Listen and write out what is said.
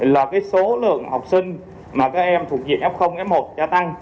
là cái số lượng học sinh mà các em thuộc diện f f một gia tăng